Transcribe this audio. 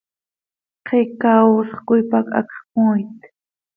Xiica oosx coi pac hacx cömooit.